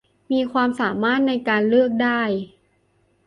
มีความสามารถในการเลือกได้